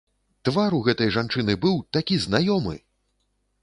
Твар у гэтай жанчыны быў такі знаёмы!